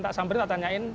tak sambil tanyain